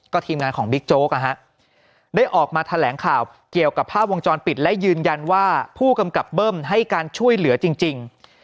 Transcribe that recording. ทีมงานของบิ๊กโจ๊กได้ออกมาแถลงข่าวเกี่ยวกับภาพวงจรปิดและยืนยันว่าผู้กำกับเบิ้มให้การช่วยเหลือจริง